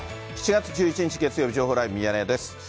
７月１１日月曜日、情報ライブミヤネ屋です。